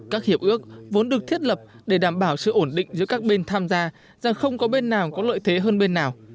các hiệp ước vốn được thiết lập để đảm bảo sự ổn định giữa các bên tham gia rằng không có bên nào có lợi thế hơn bên nào